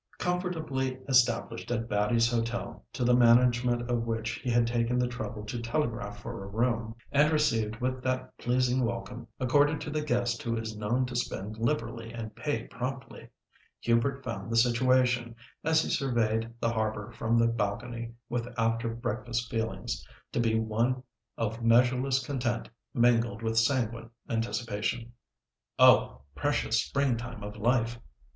Comfortably established at Batty's Hotel, to the management of which he had taken the trouble to telegraph for a room, and received with that pleasing welcome accorded to the guest who is known to spend liberally and pay promptly, Hubert found the situation, as he surveyed the harbour from the balcony with after breakfast feelings, to be one of measureless content mingled with sanguine anticipation. Oh! precious spring time of life!